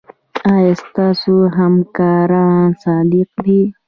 ایا ستاسو همکاران صادق دي؟